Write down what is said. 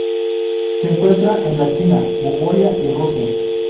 Se encuentra en la China Mongolia y Rusia